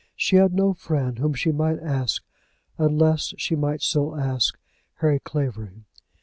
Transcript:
She had no friend whom she might ask; unless she might still ask Harry Clavering.